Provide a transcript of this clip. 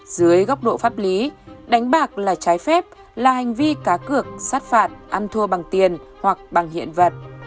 dưới góc độ pháp lý đánh bạc là trái phép là hành vi cá cược sát phạt ăn thua bằng tiền hoặc bằng hiện vật